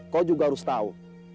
kau juga harus tahu